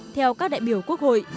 theo các đại biểu quốc hội